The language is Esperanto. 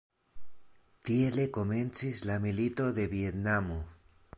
Tiele komencis la Milito de Vjetnamo.